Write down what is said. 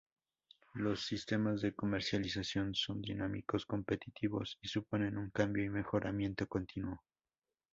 Los sistemas de comercialización son dinámicos, competitivos y suponen un cambio y mejoramiento continuo.